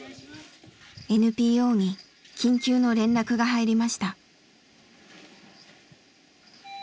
ＮＰＯに緊急の連絡が入りました。